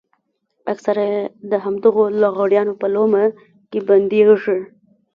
اکثره يې د همدغو لغړیانو په لومه کې بندېږي.